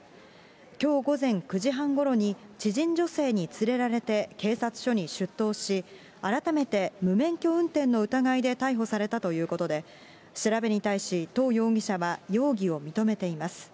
きょう午前９時半ごろに、知人女性に連れられて警察署に出頭し、改めて無免許運転の疑いで逮捕されたということで、調べに対し唐容疑者は容疑を認めています。